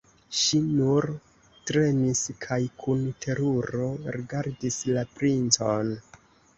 Ŝi nur tremis kaj kun teruro rigardis la princon.